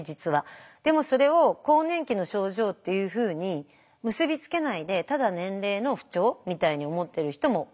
でもそれを更年期の症状っていうふうに結び付けないでただ年齢の不調みたいに思っている人も多い。